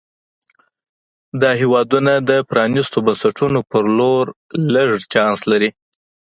دا هېوادونه د پرانیستو بنسټونو په لور لږ چانس لري.